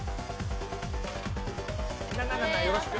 ななななー、よろしく。